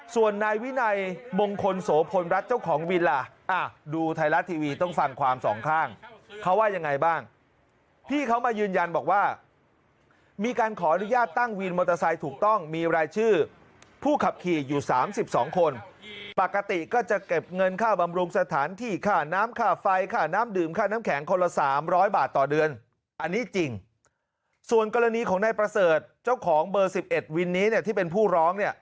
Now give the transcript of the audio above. ส่วนนายวินัยมงคลโสพลรัฐเจ้าของวินล่ะดูไทยรัฐทีวีต้องฟังความสองข้างเขาว่ายังไงบ้างพี่เขามายืนยันบอกว่ามีการขออนุญาตตั้งวินมอเตอร์ไซค์ถูกต้องมีรายชื่อผู้ขับขี่อยู่๓๒คนปกติก็จะเก็บเงินค่าบำรุงสถานที่ค่ะน้ำค่าไฟค่ะน้ำดื่มค่าน้ำแข็งคนละ๓๐๐บาทต่อเดือนอันนี้จร